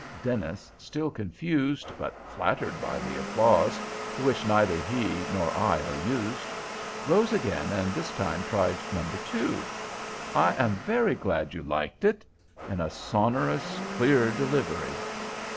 Dennis, still confused, but flattered by the applause, to which neither he nor I are used, rose again, and this time tried No. 2: "I am very glad you liked it!" in a sonorous, clear delivery.